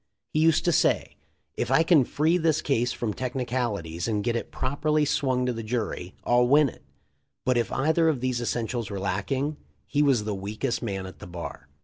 He used to say, "If I can free this case from technicalities and get it prop erly swung to the jury, I'll win it." But if either of these essentials were lacking, he was the weakest man at the bar.